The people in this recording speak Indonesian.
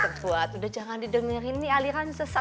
pak fuad udah jangan didengerin nih aliran sesat